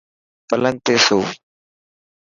پلنگ تي سو.